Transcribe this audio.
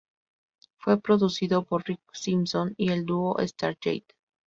Fue producida por Rik Simpson y el duo Stargate.